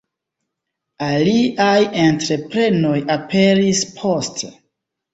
Aliaj entreprenoj aperis poste.